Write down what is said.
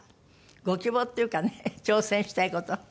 ご希望っていうかね挑戦したい事。